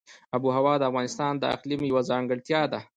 آب وهوا د افغانستان د اقلیم یوه ځانګړتیا ده.